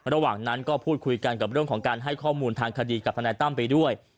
ระหว่างนั้นก็พูดคุยกันกับเรื่องของการให้ข้อมูลทางคดีกับทนายตั้มไปด้วย